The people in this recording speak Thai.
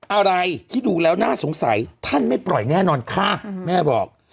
อะไรที่ดูแล้วน่าสงสัยท่านไม่ปล่อยแน่นอนค่ะแม่บอก